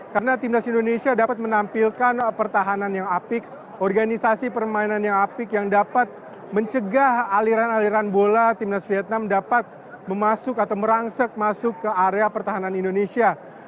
karena timnas indonesia dapat menampilkan pertahanan yang apik organisasi permainan yang apik yang dapat mencegah aliran aliran bola timnas vietnam dapat merangsek masuk ke area pertahanan indonesia